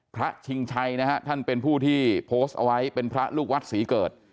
ชิงชัยนะฮะท่านเป็นผู้ที่โพสต์เอาไว้เป็นพระลูกวัดศรีเกิด